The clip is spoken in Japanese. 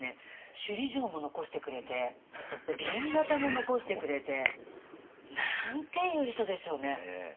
首里城も残してくれて紅型も残してくれて。なんていう人でしょうね。